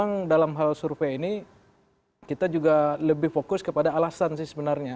kalau survei ini kita juga lebih fokus pada alasan sih sebenarnya